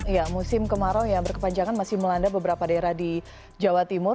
ya musim kemarau yang berkepanjangan masih melanda beberapa daerah di jawa timur